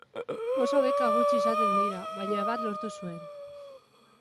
Oso beka gutxi izaten dira baina bat lortu zuen.